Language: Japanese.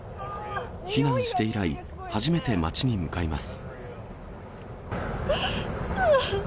避難して以来、初めて街に向かいます。